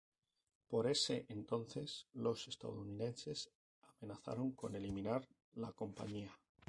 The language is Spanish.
Por ese entonces los estadounidenses amenazaron con eliminar la compañía.